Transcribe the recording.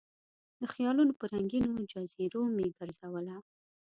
د خیالونو په رنګینو جزیرو مې ګرزوله